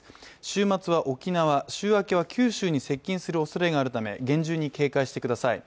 週末は沖縄、週明けは九州に接近するおそれがあるため厳重に警戒してください。